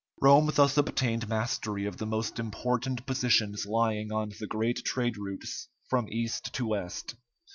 Rome thus obtained mastery of the most important positions lying on the great trade routes from East to West.